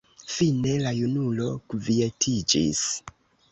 Fine la junulo kvietiĝis.